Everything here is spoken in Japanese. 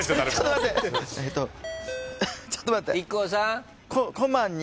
ちょっと待って「こま」に。